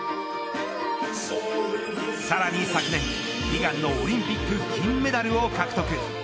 さらに昨年、悲願のオリンピック金メダルを獲得。